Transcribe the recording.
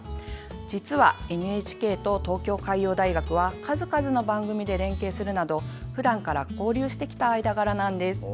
実は、ＮＨＫと東京海洋大学は数々の番組で連携するなどふだんから交流してきた間柄なんです。